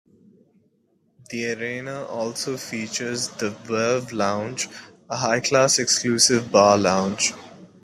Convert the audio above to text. The arena also features the "Verve Lounge", a high-class exclusive bar lounge.